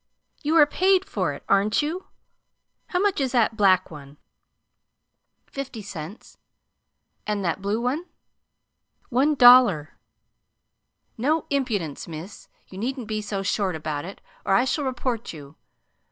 You are paid for it, aren't you? How much is that black one?" "Fifty cents." "And that blue one?" "One dollar." "No impudence, miss! You needn't be so short about it, or I shall report you.